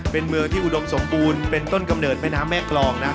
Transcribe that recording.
เป็นเมืองที่อุดมสมบูรณ์เป็นต้นกำเนิดแม่น้ำแม่กรองนะครับ